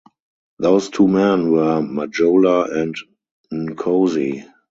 Those two men were Majola and Nkosi.